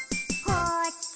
「こっち」